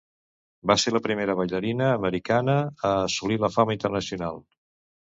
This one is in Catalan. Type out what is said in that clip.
Va ser la primera ballarina americana a assolir la fama internacional.